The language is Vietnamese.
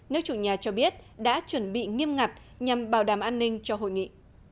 nước chủ nhà cho biết đã chuẩn bị nghiêm ngặt nhằm bảo đảm an ninh cho hội nghị